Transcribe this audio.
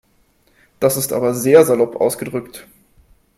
Das ist aber sehr salopp ausgedrückt.